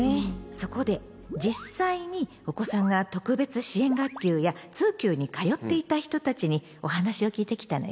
そこで実際にお子さんが特別支援学級や通級に通っていた人たちにお話を聞いてきたのよ。